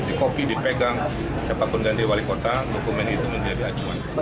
dikopi dipegang siapapun ganti wali kota dokumen itu menjadi acuan